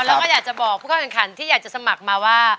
แล้วก็อยากจะบอกผู้เข้าแข่งขันที่อยากจะสมัครมาว่า